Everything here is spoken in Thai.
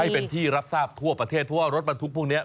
ให้เป็นที่รับทราบทั่วประเทศทั่วรถปันทุกพวกนี้